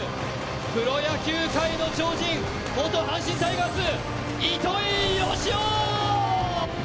プロ野球界の超人元阪神タイガース、糸井嘉男。